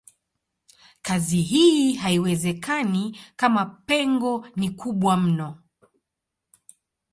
Kazi hii haiwezekani kama pengo ni kubwa mno.